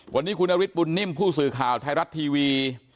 วันนี้คุณนฤทธบุญนิ่มผู้สื่อข่าวไทยรัฐทีวี